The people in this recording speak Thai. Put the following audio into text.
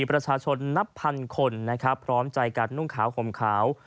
ประชาชนนับพันคนนะครับพร้อมใจกันนุ่งขาวห่มขาว